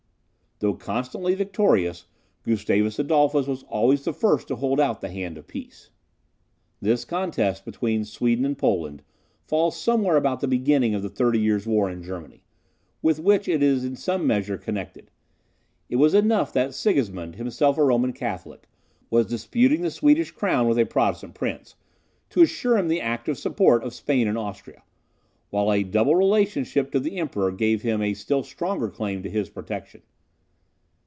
Though constantly victorious, Gustavus Adolphus was always the first to hold out the hand of peace. This contest between Sweden and Poland falls somewhere about the beginning of the Thirty Years' War in Germany, with which it is in some measure connected. It was enough that Sigismund, himself a Roman Catholic, was disputing the Swedish crown with a Protestant prince, to assure him the active support of Spain and Austria; while a double relationship to the Emperor gave him a still stronger claim to his protection.